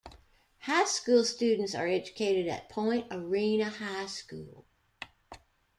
High school students are educated at Point Arena High School.